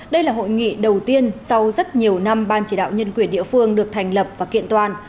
đây là hội nghị đầu tiên sau rất nhiều năm ban chỉ đạo nhân quyền địa phương được thành lập và kiện toàn